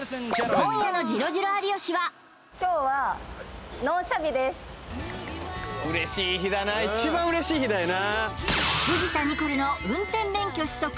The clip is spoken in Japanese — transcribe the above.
今夜の「ジロジロ有吉」は嬉しい日だな一番嬉しい日だよな